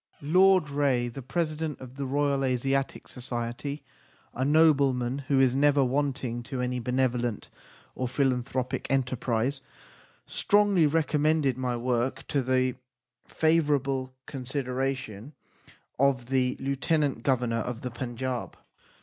Lord Reay, the President of the Royal Asiatic Society, a nobleman who is never wanting to any benevolent or philanthropic enterprise, strongly recommended my work to the favourable con sideration of the Lieutenant Go vernor of the Panjab.